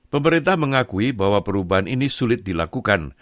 pemerintah mengakui bahwa perubahan ini sulit dilakukan